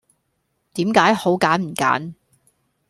點解好揀唔揀